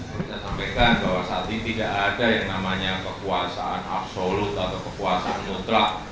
saya sampaikan bahwa saat ini tidak ada yang namanya kekuasaan absolut atau kekuasaan mutlak